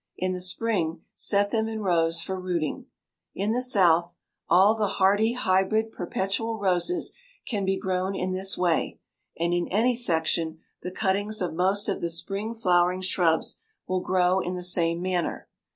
In the spring set them in rows for rooting. In the South all the hardy hybrid perpetual roses can be grown in this way, and in any section the cuttings of most of the spring flowering shrubs will grow in the same manner.